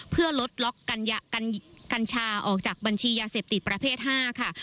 เพื่อลดล็อกกัญชาออกจากบัญชียาเสพติดประเภท๕ค่ะ